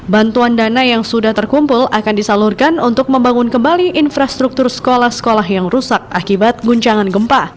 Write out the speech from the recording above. bantuan dana yang sudah terkumpul akan disalurkan untuk membangun kembali infrastruktur sekolah sekolah yang rusak akibat guncangan gempa